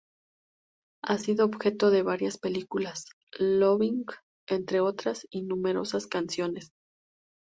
Ha sido objeto de varias películas -"Loving", entre otras- y numerosas canciones.